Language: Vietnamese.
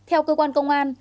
theo cơ quan công an